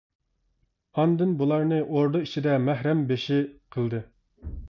ئاندىن بۇلارنى ئوردا ئىچىدە مەھرەم بېشى قىلدى.